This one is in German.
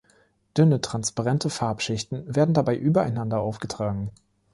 Dünne transparente Farbschichten werden dabei übereinander aufgetragen.